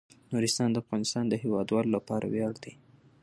نورستان د افغانستان د هیوادوالو لپاره ویاړ دی.